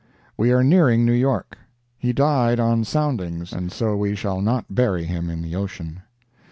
We are nearing New York. He died on soundings, and so we shall not bury him in the ocean."